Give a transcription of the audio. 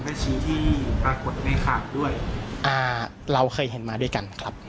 รวมแม่ชีที่ปรากฏในขาดด้วยเราเคยเห็นมาด้วยกันครับ